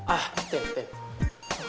ah tin tin